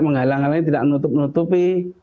menghalang halangi tidak menutupi